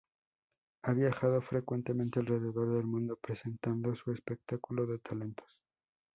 Han viajado frecuentemente alrededor del mundo presentando su espectáculo de talentos.